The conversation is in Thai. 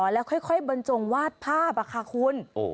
แล้วค่อยบรรจงวาดภาพค่ะคุณ